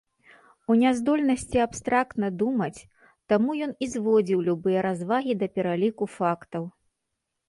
У няздольнасці абстрактна думаць, таму ён і зводзіў любыя развагі да пераліку фактаў.